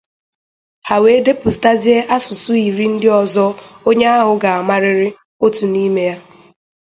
Ha wee depụtazie asụsụ iri ndị ọzọ onye ahụ ga-amarịrị otu n'ime ha